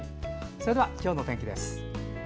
それでは今日の天気です。